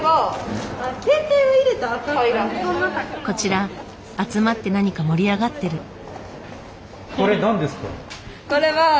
こちら集まって何か盛り上がってる。